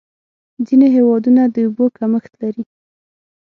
ځینې هېوادونه د اوبو کمښت لري.